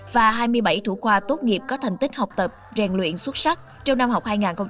và hai mươi bảy thủ khoa tốt nghiệp có thành tích học tập rèn luyện xuất sắc trong năm học hai nghìn hai mươi hai nghìn hai mươi